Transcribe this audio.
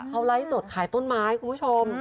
เขาไลฟ์สดขายต้นไม้คุณผู้ชม